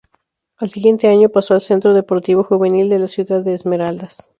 Al siguiente año pasó al Centro Deportivo Juvenil de la ciudad de Esmeraldas.